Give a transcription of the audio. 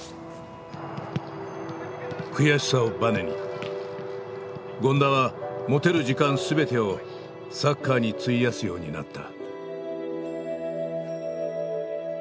悔しさをバネに権田は持てる時間全てをサッカーに費やすようになった。